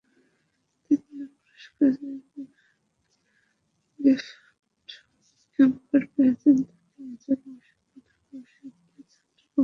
তৃতীয় পুরস্কারের গিফটহ্যাম্পার পেয়েছেন তাঁতী বাজারের বাসিন্দা ঢাকা বিশ্ববিদ্যালয়ের ছাত্র বাবর আলী।